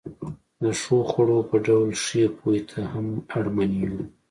د ښو خوړو په ډول ښې پوهې ته هم اړمن یو.